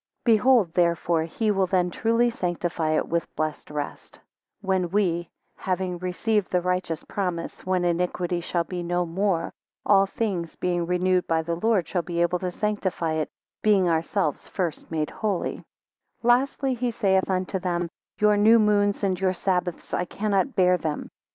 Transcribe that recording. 8 Behold, therefore, he will then truly sanctify it with blessed rest, when we (having received the righteous promise, when iniquity shall be no more, all things being renewed by the Lord) shall be able to sanctify it, being ourselves first made holy; 9 Lastly, he saith unto them Your new moons and your Sabbaths I cannot bear them.